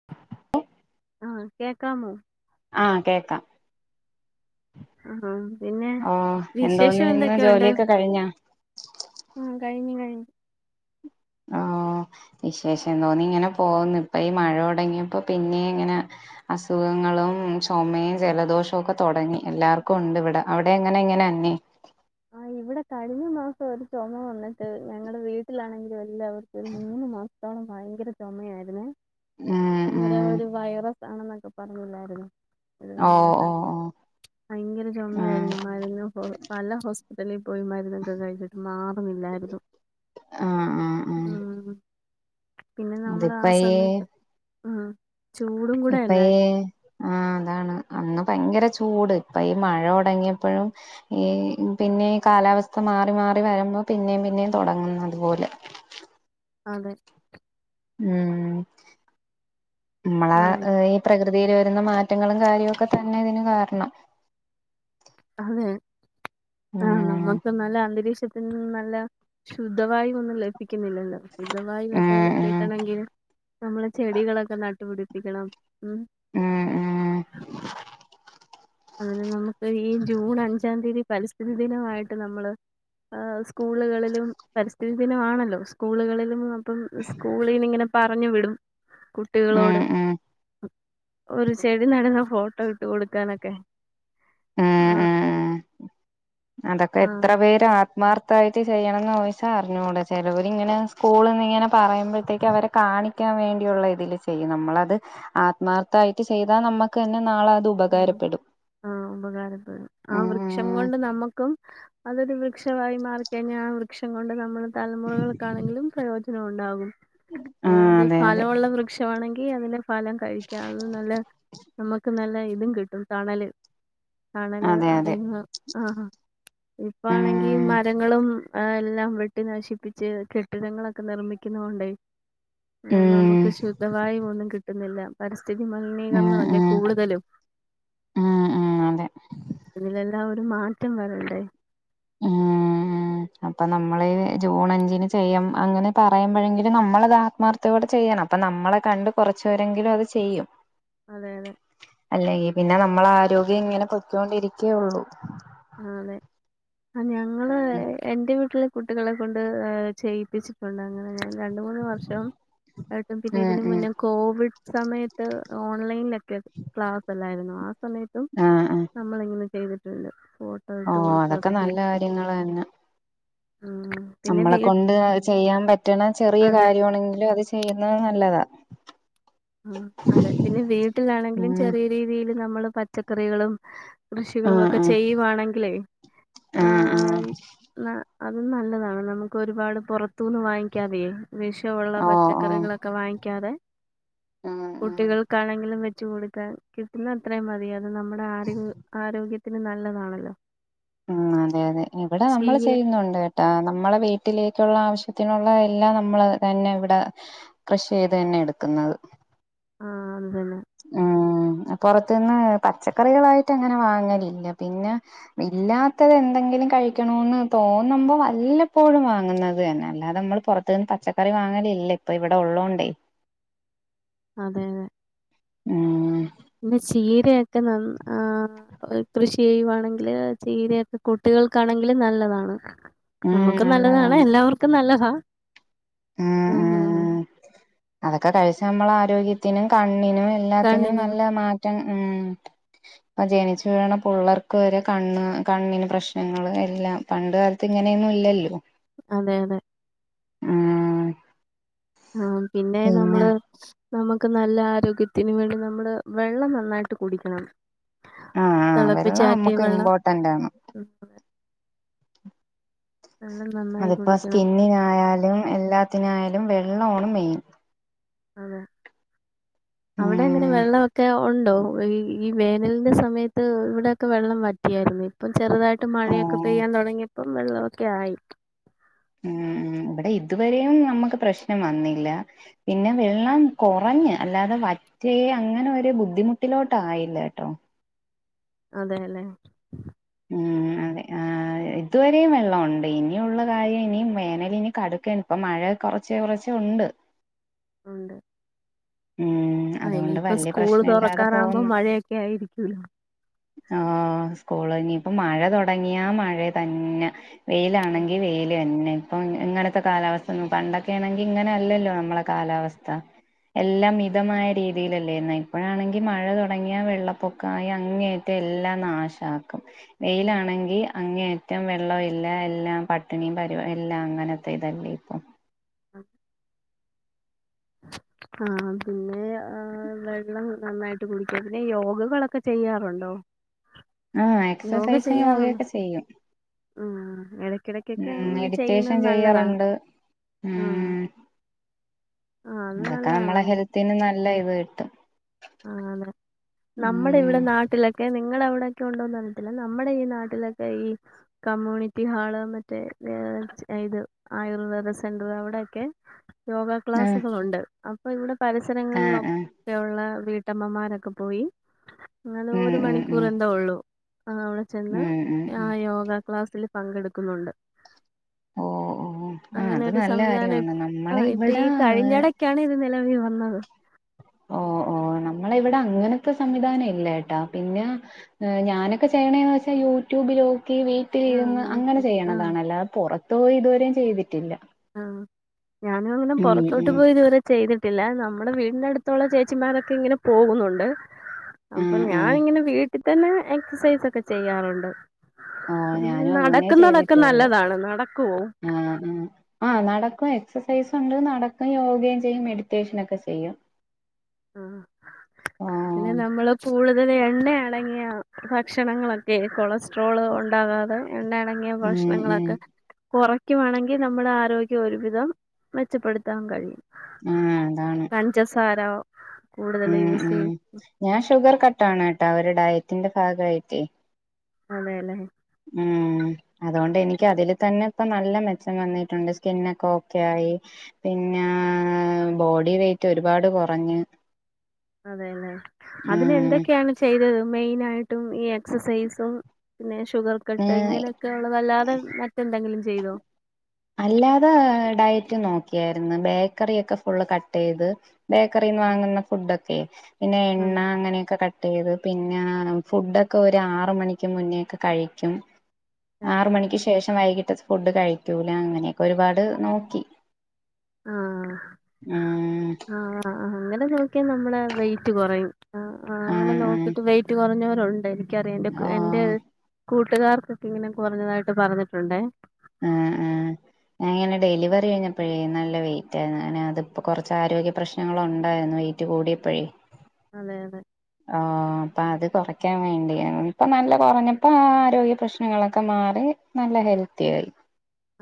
[unintelligible] ആ കേക്കാമോ ആ കേക്കാ ആ ഹാ പിന്നെ ഓ വിശേഷം എന്തോന്നിന്ന് എന്തൊക്കെയൊണ്ട് ജോലിയൊക്കെ കഴിഞ്ഞാ ആ കഴിഞ്ഞു കഴിഞ്ഞു ഓ വിശേഷം എന്തോന്നിങ്ങനെ പോക്ന്ന് ഇപ്പ ഈ മഴ തൊടങ്ങിയപ്പോ പിന്നീ ങ്ങനെ അസുഖങ്ങളും ചൊമയും ജലദോഷോക്കെ തൊടങ്ങി എല്ലാർക്കും ണ്ട് വടെ അവടെ എങ്ങനെ [unintelligible] ആ ഇവിട് ടെ കഴിഞ്ഞ മാസം ഒരു ചൊമ വന്ന്ട്ട് ഞങ്ങടെ വീട്ടിലാണെങ്കിലും എല്ലാവർക്കും ഒരു മൂന്ന് മാസ ത്തോളം ഭയങ്കര ചൊമയായിരുന്നേ ഉം ഉം അന്നേരം ഒരു വൈറസ് ആണെന്നൊക്കെ പറഞ്ഞില്ലായിരുന്നോ ഒരു ഓ ഓ ഓ [unintelligible] ഭയങ്കര ഉം ചൊമയായിരുന്നു മരുന്നു പോ പല ഹോസ് പിറ്റലി പോയി മരുന്നൊക്കെ കഴിച്ചിട്ട് മാറുന്നില്ലാരുന്നു ആ ആ ആ ആ പിന്നെ അതിപ്പ ഈ നമ്മളാസമയത്ത് ആ ചൂടും കൂടെ ഇപ്പഴേ അല്ലായിരുന്നു ആ അതാണ് അന്ന് ഭയങ്കര ചൂട് ഇപ്പ ഈ മഴ തൊടങ്ങിയപ്പഴും ഈ പിന്നെ കാലാവസ്ഥ മാറി മാറി വരുമ്പോ പിന്നേം പിന്നേം തൊടങ്ങും അതുപോലെ അതെ ഉം മ്മളെ ആഹ് ഈ പ്രകൃതിയില് വരുന്ന മാറ്റങ്ങളും കാര്യോക്കെ തന്നെ ഇതിന് കാരണം അതെ ആ ഉം നമ്മക്ക ഇപ്പ നല്ല അന്തരീക്ഷത്തിന് നല്ല ശുദ്ധവായു വന്നില്ലേ കിന്നില്ലല്ലോ ഉം ശുദ്ധവായുവൊക്കെ ഉം കിട്ടണെങ്കി നമ്മള് ചെടികളൊക്കെ നട്ടുപിടിപ്പിക്കണം ഉം ഉം ഉം അങ്ങനെ നമ്മക്ക്‌ ഈ ജൂൺ അഞ്ചാം തീയതി പരിസ്ഥിതി ദിനായിട്ട് നമ്മള് ആഹ് സ്കൂളുകളിലും പരിസ്ഥിതി ദിനാണല്ലോ സ്കൂളുകളിലും പ്പം സ്കൂളിൽന്ന് ഇങ്ങനെ പറഞ്ഞു വിടും ഉം കുട്ടികളോട് ഉം ഒരു ചെടി നടുന്ന ഫോട്ടോ ഇട്ട് കൊടുക്കാനൊക്കെ ഉം ആ ഉം അതൊക്കെ എത്ര ആഹ് പേരാ മർത്തായിട്ട് ചെയ്യണംന്നോയ്ച്ചാ അർഞ്ഞൂട ചെലോര്ങ്ങനെ സ്കൂള്ന്ന്ങ്ങനെ പറയുമ്പോഴത്തേക്കും അവരെ കാണിക്ക ക്ക്യാൻ വേണ്ടിയുള്ള ഇതിൽ ചെയ്യും നമ്മളത് ആത്മാർത്ഥായിട്ട് ചെയ്താ നമ്മക്കന്നെ നാളെ അത് ഉ ആഹ് ആഹ് ഉപകാരപ്പെടും ആ വൃക്ഷം ഉം കൊണ്ട് നമ്മുക്കും അതൊരു വൃക്ഷമായി മാറി കഴിഞ്ഞാ ആ വൃക്ഷം കൊണ്ട് നമ്മൾ തലമുറകൾക്കാണെങ്കിലും പ്രയോ ജനമുണ്ടാവും. ആ ഇഞ് അത് അതെ അതെ ഫലമുള്ള വൃക്ഷമാണെങ്കി അതിനെ ഫലം കഴിക്കാം അത് നല്ല നമ്മക്ക് നല്ല ഇതും കിട്ടും തണല് തണല് അതെ അതെ അതീന്ന് ആഹ ഇപ്പാണെങ്കി ഉം മരങ്ങളും എല്ലാം വെട്ടി നശിപ്പിച്ച് കെ ട്ടിടങ്ങളൊക്കെ നിർമ്മിക്കുന്ന കൊണ്ടെ ഉം ഏഹ് നമുക്ക് ശുദ്ധവായു ഒന്നും കിട്ടുന്നില്ല. പരിസ്ഥിതി മലിനീകരണമല്ലേ കൂടുതലും. ആഹ് ആഹ് അതെ. ഇതിലെല്ലാം ഒരും മാറ്റം വരണ്ടെ. ഉം. അപ്പൊ നമ്മള് ജൂൺ അഞ്ചിന് ചെയ്യും അങ്ങനെ പറയുമ്പഴെങ്കിലും നമ്മളത് ആത്മാർ ത്തോടെ ചെയ്യണം. അപ്പം നമ്മളെ കണ്ട് കുറച്ച് പേരെങ്കിലും അത് ചെയ്യും. അതെ അതെ. അല്ലെങ്കി പിന്നെ നമ്മളാരോഗ്യം ഇങ്ങനെ പൊയ്ക്കോണ്ടിരിക്ക്യേയുള്ളു. ആഹ് അതെ. അഹ് ഞങ്ങള് എന്റെ വീട്ടില് കുട്ടികളെ കൊണ്ട് ഏഹ് ചെയ്യിപ്പിച്ചിട്ടുണ്ട് അങ്ങനെ ആഹ് രണ്ട് മൂന്ന് വർഷം ആയിട്ടും പിന്നെ ഉം ഇതിന് ഉം മുന്നെം കോവിഡ് സമയത്ത് ഓൺലൈനിലൊക്കെ ക്ലാസെല്ലായിരുന്നൊ ആ സമയത്തും ആഹ് ആഹ് നമ്മളിങ്ങനെ ചെയ്തിട്ടുണ്ട് ഫോ ഓഹ് അതൊക്കെ നല്ല കാര്യങ്ങളെന്നെ. ആഹ് നമ്മളെ കൊണ്ട് ചെയ്യാൻ പറ്റ്ണ ചെറിയ അതെ കാര്യമാണെങ്കിലും അത് ചെയ്യുന്നത് നല്ലതാ. ആഹ് അതെ. പിന്നെ വീട്ടിലാണെങ്കിലും ഉം ചെറിയ രീതിയില് നമ്മള് പച്ചക്കറികളും കൃഷികളും ആഹ് ഒക്കെ ആഹ് ചെയ്യുവാണെങ്കിലേ ആ ആഹ് ആഹ് ന അതും നല്ലതാണ്. നമുക്ക് ഒരുപാട് പുറത്തൂന്ന് വാങ്ങിക്കാതെയേ വിഷവുള്ള ഓ ഓ പച്ചക്കറികളൊ ക്ക വാങ്ങിക്കാതെ ആഹ് ആഹ് കുട്ടികൾക്കാണെങ്കിലും വെ ച്ചു കൊടുക്കാൻ കിട്ടുന്ന അത്രയും മതി അത് നമ്മുടെ ആറിവ് ആരോഗ്യത്തിന് നല്ലതാണല്ലോ. ഉം അതെ അതെ ഇവിടെ നമ്മൾ ചീര ചെയ്യുന്നുണ്ട് കേ ട്ടോ. നമ്മളെ വീട്ടിലേക്കുള്ള ആവശ്യത്തിനുള്ള എല്ലാം നമ്മള് തന്നെ ഇവടെ കൃഷി ചെയ്ത് തന്നെ എടുക്കുന്നത്. ആഹ് അത് തന്നെ. ആഹ് അ പൊറത്തിന്ന് പച്ചക്കറികളായിട്ട് അങ്ങനെ വാങ്ങലില്ല പിന്നെ ഇല്ലാത്തത് എന്തെങ്കിലും കഴിക്കണോന്ന് തോന്നുമ്പം വല്ലപ്പോഴും വാങ്ങുന്നത് തന്നെ അല്ലാതെ നമ്മൾ പുറ ത്ത്ന്ന് പച്ചക്കറി വാങ്ങലില്ല ഇപ്പൊ ഇവിടെ ഉള്ളോണ്ടേ. അതെ അതെ. ഉം പിന്നെ ചീരെയൊക്കെ നന്ന് ആഹ് ഒര് കൃഷി ചെയ്യുവാണെങ്കില് ചീരയൊക്കെ കുട്ടികൾക്കാണെങ്കിലും നല്ലതാണ്. നമുക്കും നല്ലതാണ് എല്ലാവർക്കും നല്ലതാ ഉം ആഹ്. ഉം അതൊക്കെ കഴിച്ച നമ്മളെ ആരോഗ്യത്തിനും കണ്ണിനും എല്ലാത്തിനും കണ്ണിന് നല്ല മാറ്റം ഉം ഇപ്പം ജനിച്ച് വീണ പിള്ളേർക്ക് വരെ കണ്ണ് കണ്ണിന് പ്രശ്നങ്ങൾ എല്ലാം പണ്ട് കാലത്ത് ഇങ്ങനെയൊന്നും ഇല്ലല്ലോ അതെ അതെ ഉം ഉം പിന്നെ നമ്മള് നമുക്ക് നല്ല ആരോഗ്യത്തിന് വേണ്ടി നമ്മള് വെള്ളം നന്നായിട്ട് കുടിക്കണം ആഹ് ആഹ് വെള്ളം തെളപ്പിചാറ്റിയ നമ്മുക്ക് വെള്ളം ഇമ്പോർട്ടന്റ് ആണ് എന്താണ് അതിപ്പൊ സ്കിന്നിനായാലും എല്ലാത്തിനായാലും വെള്ളമാണ് മെയിൻ ആണ് അവിടെ എങ്ങനെ ഉം വെള്ളവൊക്കെ? ഒണ്ടോ ഈ വേനലിന്റെ സമയത്ത് ഇവിടെയൊക്കെ വെള്ളം വറ്റിയാരുന്നു ഇപ്പം ചെറുതായിട്ട് മഴയൊക്കെ ഓഹ് പെയ്യാൻ തൊടങ്ങിയപ്പം വെള്ളവൊക്കെ ആയി ഉം ഉം ഇവിടെ ഇതുവരെയും നമ്മുക്ക് പ്രശ്നം വന്നില്ല പിന്നെ വെള്ളം കൊറഞ്ഞ് അല്ലാതെ വറ്റ് റ്റെ അങ്ങനെ ഒരു ബുദ്ധിമുട്ടിലോട്ടായില്ല ട്ടോ അതെ ലേ ഉം അതെ അ [inaudible] ഇതുവരെയും വെള്ളമുണ്ട് ഇനിയുള്ള കാര്യം ഇനി വേനൽ ഇനി കടക്കാണ് ഇപ്പൊ മഴ കൊറച്ച് കൊറച്ച് ഉണ്ട് ഉണ്ട് ഉം ആ അതൊണ്ട് ഇനിയിപ്പോ വല്ല്യ സ്കൂള് പ്രശ്നല്ലാതെ തുറക്കാറാകുമ്പോ പോവ്ന്ന് മഴയൊക്കെ ആയിരിക്കൂല്ലോ. ആ സ്കൂള് ഇനിപ്പൊ മഴ തുടങ്ങിയാ മഴ തന്നെ വെയിലാണെങ്കി വെയിലെന്നെ പ്പൊ ഇ ഇങ്ങനത്തെ കാലാവസ്ഥ ഒന്നും പണ്ടൊക്കെ ആണെങ്കി ഇങ്ങനെ അല്ലല്ലോ നമ്മളെ കാലാവസ്ഥ എല്ലാം മിതമായ രീ തിയിലല്ലേ ഇന്ന് ഇപ്പോഴാണെങ്കി മഴ തൊടങ്ങിയാ വെള്ളപ്പൊക്കമായി അങ്ങേറ്റം എല്ലാം നാശാ വെയിലാണെങ്കി അങ്ങേയറ്റം വെള്ളം ഇല്ല എല്ലാം പട്ടിണിയും പരുവ എല്ലാം അങ്ങനത്തേതല്ലേ ഇപ്പം അ ആ പിന്നെ വെള്ളം നന്നായിട്ട് കുടിക്കുക പിന്നെ യോഗകളൊക്കെ ചെയ്യാറുണ്ടോ? ആ എക്സസൈസും യോഗയൊക്കെ ചെയ്യും ഉം എടക്കിടക്കൊക്കെ ഉം അങ്ങനെ മെഡിറ്റേഷൻ ചെയ്യണത് നല്ലതാ ചെയ്യാറുണ്ട് ആ ഉം ആഅങ്ങനെ കാരണം നമ്മളെ ഹെൽത്തിന് നല്ല ഇത് കിട്ടും ആഹ അ തെ നമ്മടെ ഉം ഇവിടെ നാട്ടിലൊക്കെ നിങ്ങള അവിടൊക്കെ ഉണ്ടോന്നറിത്തില്ല നമ്മുടെ ഈ നാട്ടിലൊക്കെ ഈ കമ്മ്യൂണിറ്റി ഹാള് മറ്റേ ഇത് ആയുർവേദ സെന്ററ് അവിടെയൊക്കെ യോഗ ആഹ് ക്ലാസ്സുകളുണ്ട് അപ്പൊ ഇവിടെ ആഹ് ആഹ് പരിസരങ്ങളിലൊക്കെയുള്ള വീട്ടമ്മമാരൊക്കെ പോയി അങ്ങനെ ഉം ഒരു ഉം മണിക്കൂർ ഉം എന്താ ഉള്ളൂ ആ അവിടെ ചെന്ന് ഉം ഉം ആ ഉം യോഗ ക്ലാസ്സിൽ പങ്കെടുക്കുന്നുണ്ട് ഓഹ് ഓഹ് ആഹ് അങ്ങനെ അത് ഒരു നല്ല സംവിധാനം കാര്യമാണ് ആ നമ്മളെ ഇപ്പൊ ഈ ഇവിടെ കഴിഞ്ഞിട ക്കാണീ ഇത് നിലവിൽ വന്നത് ഓ ഓ നമ്മള് ഇവിടെ അങ്ങനത്തെ സംവിധാനം ഇല്ല ട്ടാ പിന്നെ ഞാനൊക്കെ ചെയ്യണേന്ന് വെച്ചാൽ യൂട്യൂബ് നോക്കി വൈറ് ആ ട്ടിലിരുന്ന് അങ്ങനെ നോക്കി ആ ചെയ്യണതാണ ല്ലാതെ പുറത്ത് പോയി ഇതുവരെയും ചെയ്തിട്ടില്ല. ആ ഞാനും അങ്ങനെ ഉം പുറത്തോട്ട് ഉം പോയി ഇതുവരെ ചെയ്തിട്ടില്ല നമ്മുടെ വീടിനടുത്തുള്ള ചേച്ചിമാരൊക്കെ ഇങ്ങനെ പോകുന്നുണ്ട്. അപ്പൊ ആഹ് ആഹ് ഞാനിങ്ങനെ വീട്ടിൽ തന്നെ എക്സസൈസ് ഒക്കെ ചെയ്യാറുണ്ട്. ഓ അ ഞാനും അങ്ങനേ നടക്കുന്നതൊക്കെ ചെയ്തിട്ടുള്ളൂ നല്ലതാണ് നടക്കുവോ? ആഹ് ഉം ആഹ് നടക്കും എക്സസൈസ് ഉണ്ട് നടക്കും യോഗയും ചെയ്യും മെഡിറ്റേഷൻ ഒക്കെ ചെയ്യും. ആഹ് പിന്നെ ഓഹ് നമ്മള് കൂടുതൽ എണ്ണ ആ തുടങ്ങിയ ഭക്ഷണങ്ങളൊക്കെ കൊളസ്ട്രോള് ഒണ്ടാകാതെ ഉണ്ണയടങ്ങിയ ഉം ഭക്ഷണ ഉം ങ്ങളൊക്കെ - കൊറയ്ക്കുവാണെങ്കി നമ്മുടെ ആരോഗ്യം ഒരുവിധം മെച്ചപ്പെടുത്താൻ കഴിയും. ആഹ് അതാണ് പഞ്ചസാര കൂടുതൽ ഉം യൂസ് ഉം ചെയ്യും ഞാൻ ഷുഗർ കട്ടാണ് കേട്ടാ ഒരു ഡയറ്റിന്റെ ഭാഗായിട്ടേ അതെല്ലേ ഉം അതോൻണ്ട് എനിക്ക് അതില് തന്നെ ഇപ്പൊ നല്ല മെച്ചം വന്നിട്ടുണ്ട് സ്കിന്നക്കെ ഓക്കെ ആയി പിന്നാ ബോഡി വെയ്റ്റ് ഒരുപാട് കൊറഞ്ഞ് അതെല്ലേ ഉം അതിനെന്തെക്കെയാണ് ചെയ്തത് മെയിൻ ആയിട്ടും ഈ എക്സസൈസും പിന്നെ ഷുഗർ കട്ട് ഇങ്ങനെ ത്തെ ക്കെള്ള ല്ലാതെ മറ്റെന്തെങ്കിലും ചെയ്തോ അല്ലാതെ ഡയറ്റ് നോക്കിയായിരുന്നു ബേക്കറിയൊക്കെ ഫുള്ള് കട്ട് ചെയ്ത് ബേക്കറിന്ന് വാങ്ങുന്ന ഫുഡൊക്കെയെ പിന്നെ എണ്ണ ആഹ് അങ്ങനെയൊക്കെ കട്ട് ട്ടെയ്ത് പിന്നാ ഫുഡൊക്കെ ഒരു ആറ് മണിക്ക് മുന്നേക്കെ കഴിക്കും. ആറ് മണിക്ക് കഴിക്കും ശേഷം വൈകിട്ട് ഫുഡ് കഴിക്കൂല അങ്ങനെ ഒരുപാട് നോക്കി ആഹ് ഉ ആഹ് അ അങ്ങനെ നോക്കിയാൽ നമ്മടെ വെയിറ്റ് കുറയും. ആഹ് അ അങ്ങനെ ആഹ് ആഹ് നോക്കിട്ട് വെയിറ്റ് കുറഞ്ഞവരുണ്ട് എനിക്കറിയാം എന്റെ എന്റെ ആഹ് കൂ ട്ടുകാർക്കൊക്കെ ഇങ്ങനെ കുറഞ്ഞതായിട്ട് പറഞ്ഞിട്ടുണ്ടെ ആഹ് ആഹ് ആ എന്റെ ഡെലിവറി കഴിഞ്ഞപ്പൊ ഴേ നല്ല വെയിറ്റ് ആരുന്നു അങ്ങനെ അതിപ്പൊ കൊറച്ച് ആരോഗ്യ പ്രശ്നങ്ങള് ഒണ്ടായിരുന്നു വെയി റ്റ് കൂടിയപ്പോഴേ അതെ അതെ ഓ അപ്പൊ അത് കുറക്കാൻ വേണ്ടിയാരുന്നു ഇപ്പൊ നല്ല കൊ റഞ്ഞപ്പൊ ആ ആരോഗ്യ പ്രശ്നങ്ങളൊക്കെ മാറി നല്ല ഹെൽത്തി ആയി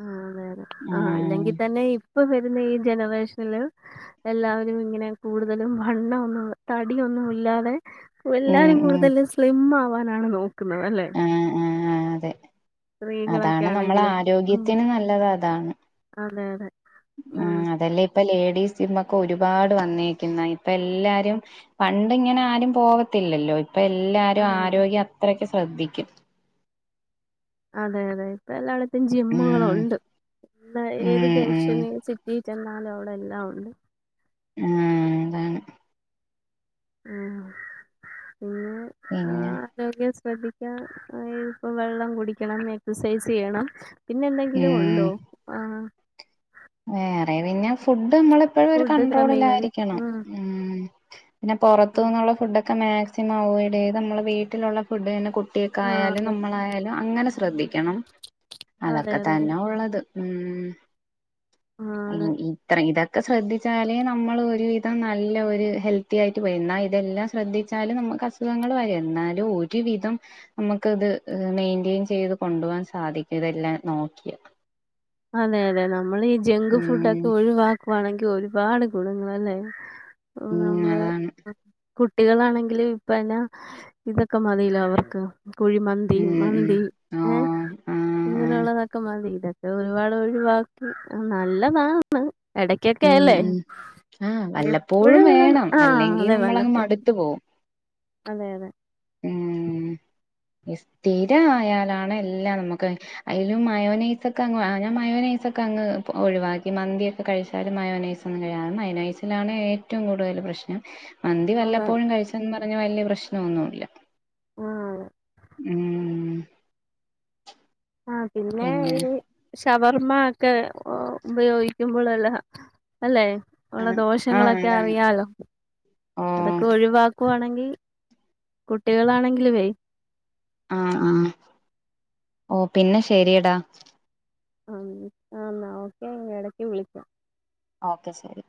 ആഅങ്ങനെ അതെതെ ആഹ് ഉം അല്ലെങ്കിൽ തന്നെ ഇപ്പൊ വരുന്ന ഈ ജനറേഷനില് എല്ലാവരും ഇങ്ങനെ കൂടുതലും വണ്ണം ഒന്നും തടിയൊന്നുമില്ലാതെ. ഉം എല്ലാരും ഉം കൂടുതലും സ്ലിം ആവാനാണ് നോക്കുന്നത് അല്ലേ. ആഹ് ആഹ് അതെ സ്ത്രീകളൊക്കെ അതാണ് നമ്മളെ ആണെങ്കിലും ഉം ആരോഗ്യത്തിന് നല്ലത് അതാണ്. അതെ അതെ ഉം അതല്ലേ ഇപ്പൊ ലേഡീസ് ജിമ്മൊക്കെ ഒരുപാട് വന്നേക്കുന്നേ ഇപ്പ എല്ലാരും പണ്ട് ഇങ്ങനെ ആരും പോകത്തില്ലല്ലോ ഇപ്പൊ എല്ലാരും അതെ അതെ ആരോഗ്യം അത്രക്കും ശ്രദ്ധിക്കും. അതെ അതെ ഇപ്പ എല്ലായിടത്തും ഉം ജിമ്മുകളുണ്ട് ന്നാ ഉം ഏത് ഉം ജംഗ്ഷന് സിറ്റി ച്ചെന്നാലും അവിടെ എല്ലാം ഉണ്ട്. ആഹ് അതാണ് ആഹ് പിന്നെ ആഹ് പിന്നെ ആരോഗ്യം ശ്രദ്ധിക്കാ ഇപ്പ വെള്ളം കുടിക്കണം എക്സസൈസ് ചെയ്യണം. പിന്നെ എന്തെങ്കിലും ഉണ്ടോ ആഹ് ഹേ വേറെ പിന്നെ ഫുഡ് മ്മള് പ്പഴും ഒരു ഫുഡ് ക്രമീകരി കൺണ്ട്രോളിലായിരിക്കണം ഉം ഉ പിന്നെ പുറത്തു ആഹ് നിന്നുള്ള ഫുഡക്കെ ഒക്കെ മാക്സിമം അവയ്യ്ഡ് ചെയ്ത് നമ്മളുടെ വീട്ടിലുള്ള ഫുഡ്ന്നെ കുട്ടിയക്കെ ആയാലും നമ്മളായാലും അങ്ങനെ ശ്രദ്ധിക്കണം അതെ അതെ അതൊക്കെ അതെ അതെ തന്നെ ഉള്ളത് ഉം ആഹ് ഇത്രീല [unintelligible] ഒക്കെ ശ്രദ്ധിച്ചാലേ നമ്മള്ഒരുവിധം നല്ല ഒരു ഹെൽത്തി ആയിട്ട് വരുന്ന ഇതെല്ലാം ശ്രദ്ധിച്ചാലും നമുക്ക് അസുഖങ്ങൾ വര എന്നാലും ഒരുവിധം നമുക്കത് മെയിന്റ്റെയിൻ ചെയ്ത് കൊണ്ടുപോകവാൻ സാധിക്ക തെല്ലാം നോക്കിയ അതെയതെ നമ്മൾ ഈ ജങ്ക് ഫുഡൊക്കെ ഉം ഒഴിവാക്കുവാണെങ്കിൽ ഒരുപാട് ഗുണങ്ങളൾല്ലേ ഉം ആനമ്മള് അതാണ് കുട്ടികളാണെങ്കില് ഇപ്പനെ ഇതൊക്കെ മതിലെഅവർക്ക് കുഴിമന്തി ഉം ഉം മന്തി ഏ ആഹ് ആഹ് ആഹ് ഇങ്ങനെയുള്ളതൊക്കെ മതിലെ ഒരുപാട് ഒഴിവാക് നല്ലതാാണ് എടക്കൊക്കെ അല്ലേ ആ് വല്ലപ്പോഴും എപ്പോഴും ഇങ്ങനെ വേണം ആഹ് അല്ലെങ്കിൽ അതെ നമ്മളങ്ങ് വല്ലപ്പോ മടുത്തു പോകും അതെ അതെ ഉം തീര ആയാലാണ് എല്ലാം നമുക്ക് അതിലും മയോനൈസൊക്കെ അങ്ങ് ഞാൻ മയോനൈസൊക്കെ അങ്ങ് ഒഴിവാക്കി മന്തിയൊക്കെ കഴിച്ചാലും മയോനൈസ് നാ മയനൈസിലാണ് ഏറ്റവും കൂടുതൽ പ്രശ്നം മന്തി അതെ വല്ലപ്പോഴും കഴിച്ചെന്ന് പറഞ്ഞ് വല്യപ്രശ്നൊന്നുല്ല ആ അതെ ഉം ആ പിന്നെ ഈ ഷവർമ്മ ഒക്ക ഉപയോഗിക്കുമ്പോളെല്ല അല്ലെ ഉള്ള ആഹ് ദോഷങ്ങളൊക്കെ അതാണ് അറിയാലോ ഓ അതൊക്കെ ഒഴിവാ നക്കുവാണെങ്കിൽ കുട്ടികളാണെങ്കില വേ ആഹ ആഹ ഓ പിന്നെ ശരിയടാ ആ ആാ ഓക്കെ ഇങ്ങ ഇടക്ക് വിളിക്കും ഓക്കെ ശരി